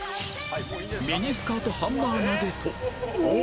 ミニスカートハンマー投げと